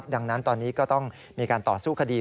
ดังนั้นตอนนี้ก็ต้องมีการต่อสู้คดี